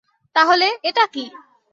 তাহলে, এটা কী?